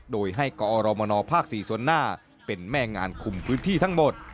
โดยให้กอรมนภ๔ส่วนหน้าเป็นแม่งานคุมพื้นที่ทั้งหมด